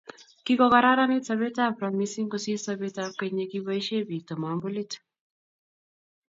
Kikoraranit sobet ab ra mising kosir sobet ab keny yekiboishee bik tamambulit